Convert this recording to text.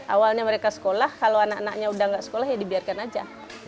awalnya mereka sekolah kalau anak anaknya sudah tidak sekolah ya dibiarkan saja